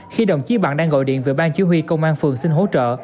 khi đồng chí bằng đang gọi điện về bang chứ huy công an phường xin hỗ trợ